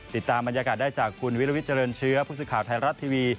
ติดตามบรรยากาศได้จากคุณวิศวิชเจริญเชื้อพุทธสุขาวไทรรัตท์ทีวี